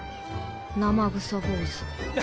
生臭坊主。